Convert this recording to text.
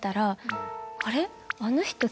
「あれ？」。